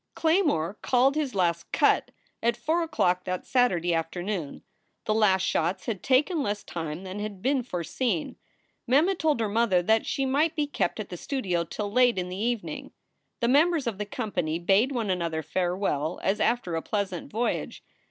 Claymors called his last "cut!" at four o clock that Sat urday afternoon. The last shots had taken less time than had been foreseen. Mem had told her mother that she might be kept at the studio till late in the evening. The members of the company bade one another farewell as after a pleasant voyage.